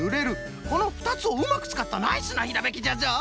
このふたつをうまくつかったナイスなひらめきじゃぞ！